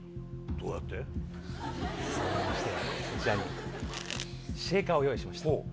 そう思いましてこちらにシェイカーを用意しました。